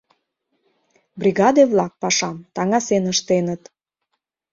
Бригаде-влак пашам таҥасен ыштеныт.